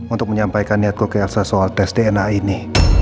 untuk menyampaikan niatku ke elsa soal tes dna ini